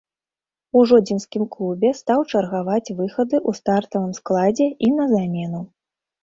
У жодзінскім клубе стаў чаргаваць выхады ў стартавым складзе і на замену.